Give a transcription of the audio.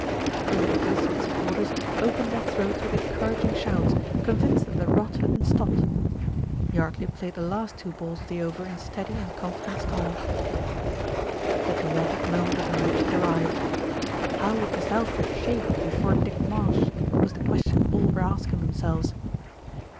The Little Bilstead supporters opened their throats with encour aging shouts, convinced that the "rot" had been stopped. Yardley played the last two balls of the over in steady and confident style. The dramatic moment of the match had arrived. How would Mist' Alfred shape before Dick Marsh? was the question all were asking themselves.